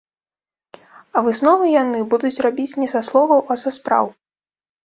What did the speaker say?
А высновы яны будуць рабіць не са словаў, а са спраў.